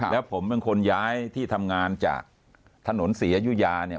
แล้วผมเป็นคนย้ายที่ทำงานจากถนนศรีอยุธยาเนี่ย